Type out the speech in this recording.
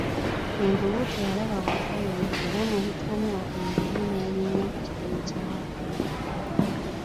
Envubu teyalaba Wakayima, era mubutanwa envubu n'erinnya ku kigere kya Wakayima.